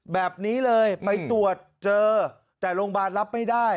แบบนี้เลยไปตรวจเจอแต่โรงพยาบาลรับไม่ได้